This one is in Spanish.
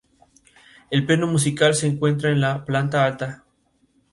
El pleno municipal se encuentra en la planta alta.